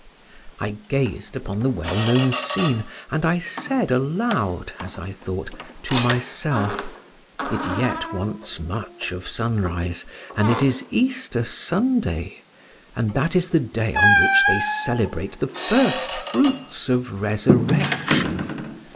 I gazed upon the well known scene, and I said aloud (as I thought) to myself, "It yet wants much of sunrise, and it is Easter Sunday; and that is the day on which they celebrate the first fruits of resurrection.